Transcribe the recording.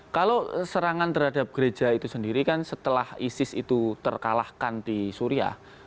kalau serangan terhadap gereja itu sendiri kan setelah isis itu terkalahkan di suriah